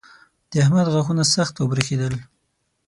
د احمد غاښونه سخت وبرېښېدل.